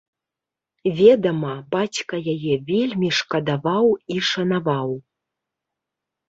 Ведама, бацька яе вельмі шкадаваў і шанаваў.